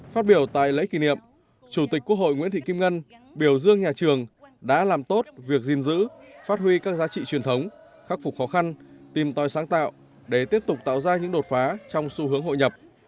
phát biểu tại lễ kỷ niệm chủ tịch quốc hội nguyễn thị kim ngân biểu dương nhà trường đã làm tốt việc gìn giữ phát huy các giá trị truyền thống khắc phục khó khăn tìm tòi sáng tạo để tiếp tục tạo ra những đột phá trong xu hướng hội nhập